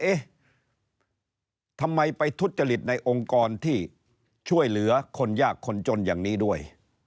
เอ๊ะทำไมไปทุจริตในองค์กรที่ช่วยเหลือคนยากคนจนอย่างนี้ด้วย